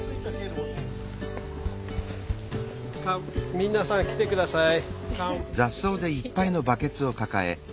皆さん来てください。